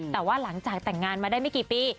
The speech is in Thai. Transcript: แต่ว่าหลังจากแต่งงานมาได้ไม่กี่ปี